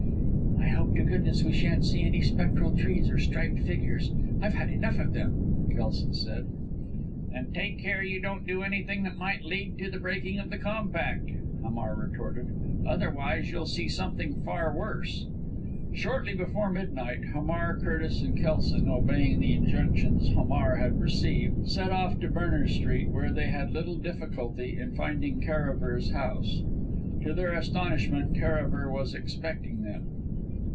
"I hope to goodness we shan't see any spectral trees or striped figures I've had enough of them," Kelson said. "Then take care you don't do anything that might lead to the breaking of the compact," Hamar retorted, "otherwise you'll see something far worse." Shortly before midnight, Hamar, Curtis and Kelson, obeying the injunctions Hamar had received, set off to Berners Street, where they had little difficulty in finding Karaver's house. To their astonishment Karaver was expecting them.